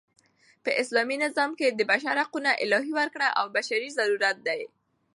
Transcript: په اسلامي نظام کښي د بشر حقونه الهي ورکړه او بشري ضرورت دئ.